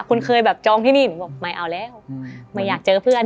คุณเคยแบบจองที่นี่หนูบอกไม่เอาแล้วไม่อยากเจอเพื่อน